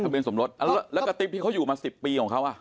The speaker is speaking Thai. เบียนสมรสแล้วกระติ๊บที่เขาอยู่มา๑๐ปีของเขาอ่ะ